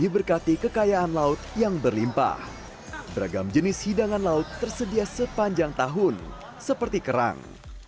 beragam jenis hidangan laut tersedia sepanjang tahun seperti kerang